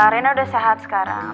rena udah sehat sekarang